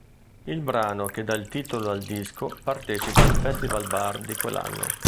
Il brano che dà il titolo al disco partecipa al Festivalbar di quell'anno.